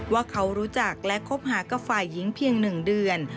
ว่าเขารู้จักและคบหากับฝ่ายหญิงเพียง๑เดือน